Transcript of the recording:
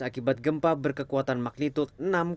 akibat gempa berkekuatan magnitud enam tujuh